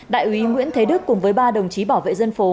đại úy nguyễn thế đức cùng với ba đồng chí bảo vệ dân phố